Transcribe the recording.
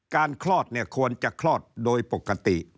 คลอดเนี่ยควรจะคลอดโดยปกติ